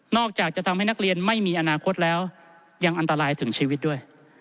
อกจากจะทำให้นักเรียนไม่มีอนาคตแล้วยังอันตรายถึงชีวิตด้วย